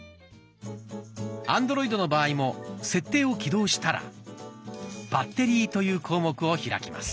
アンドロイドの場合も「設定」を起動したら「バッテリー」という項目を開きます。